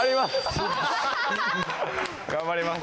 頑張ります。